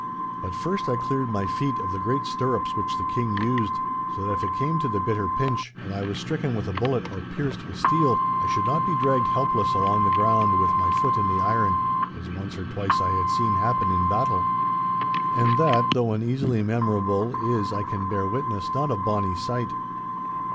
But first I cleared my feet of the great stirrups which the King used, so that if it came to the bitter pinch, and I was stricken with a bullet or pierced with steel, I should not be dragged helpless along the ground with my foot in the iron, as once or twice I had seen happen in battle. And that, though an easily memorable, is, I can bear witness, not a bonny sight.